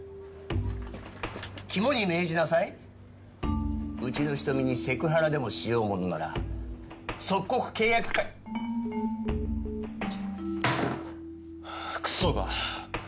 肝に銘じなさいうちの人見にセクハラでもしようものなら即刻契約クソが！